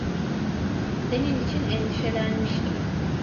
Senin için endişelenmiştim.